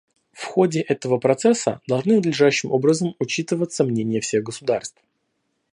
В ходе этого процесса должны надлежащим образом учитываться мнения всех государств.